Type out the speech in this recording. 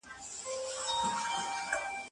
خلګ د موجوداتو په بادار باور لري.